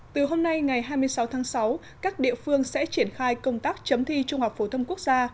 từ hôm nay ngày hai mươi sáu tháng sáu các địa phương sẽ triển khai công tác chấm thi trung học phổ thông quốc gia